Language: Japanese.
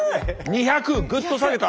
２００グッと下げた。